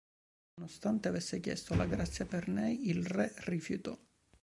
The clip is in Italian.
Nonostante avesse chiesto la grazia per Ney, il re rifiutò.